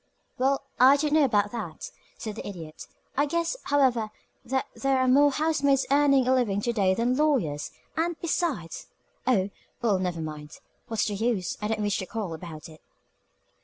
"Well, I don't know about that," said the Idiot. "I guess, however, that there are more housemaids earning a living to day than lawyers and, besides oh, well, never mind What's the use? I don't wish to quarrel about it."